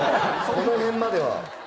この辺までは。